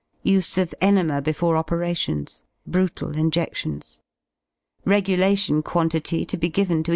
Use of enema before opera a tions: brutal injedlions. Regulation quantity to be given to